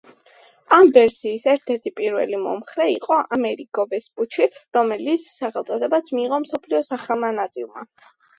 ამ ვერსიის ერთ-ერთი პირველი მომხრე იყო ამერიგო ვესპუჩი, რომლის სახელწოდებაც მიიღო მსოფლიოს ახალმა ნაწილმა.